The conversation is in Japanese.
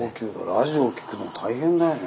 ラジオ聴くの大変だよね。